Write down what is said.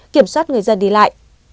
kiểm soát người dân đi lại